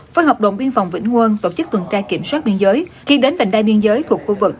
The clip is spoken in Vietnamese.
với hợp đồng biên phòng vĩnh nguồn tổ chức tuần tra kiểm soát biên giới khi đến vệnh đai biên giới thuộc khu vực